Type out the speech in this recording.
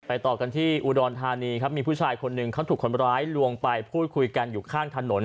ต่อกันที่อุดรธานีครับมีผู้ชายคนหนึ่งเขาถูกคนร้ายลวงไปพูดคุยกันอยู่ข้างถนน